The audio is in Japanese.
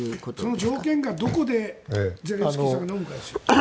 その条件がどこでゼレンスキーさんがのむかですよ。